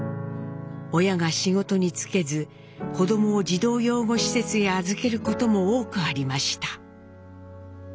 親が仕事に就けず子どもを児童養護施設へ預けることも多くありました。